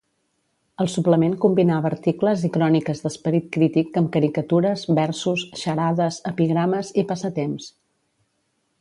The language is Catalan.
El suplement combinava articles i cròniques d'esperit crític amb caricatures, versos, xarades, epigrames i passatemps.